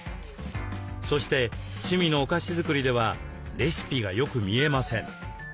そして趣味のお菓子作りではレシピがよく見えません。